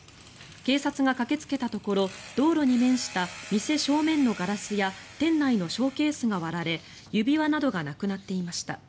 警察が駆けつけたところ道路に面した店正面のガラスや店内のショーケースが割られ指輪などがなくなっていました。